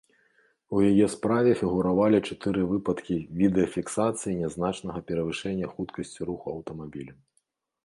У яе справе фігуравалі чатыры выпадкі відэафіксацыі нязначнага перавышэння хуткасці руху аўтамабілем.